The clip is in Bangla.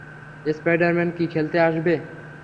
স্পাইডার-ম্যান কি খেলতে আসবে?